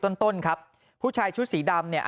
ใช่คุณครับผู้ชายชุดสีดำ